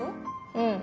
うん。